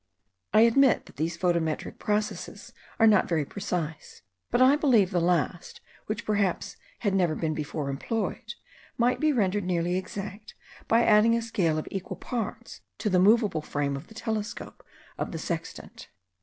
I admit that these photometric processes are not very precise; but I believe the last, which perhaps had never before been employed, might he rendered nearly exact, by adding a scale of equal parts to the moveable frame of the telescope of the sextant.